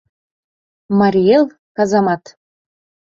Марий эл — казамат!